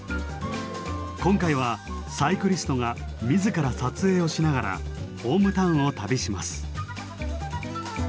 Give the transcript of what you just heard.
今回はサイクリストが自ら撮影をしながらホームタウンを旅します。